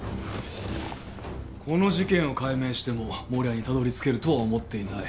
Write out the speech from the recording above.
この事件を解明しても守谷にたどりつけるとは思っていない。